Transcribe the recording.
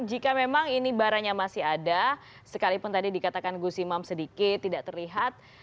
jika memang ini barangnya masih ada sekalipun tadi dikatakan gus imam sedikit tidak terlihat